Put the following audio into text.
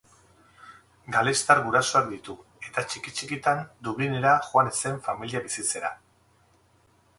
Galestar gurasoak ditu, eta txiki-txikitan Dublinera joan zen familia bizitzera.